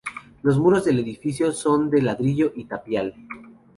Los muros del edificio son de ladrillo y tapial.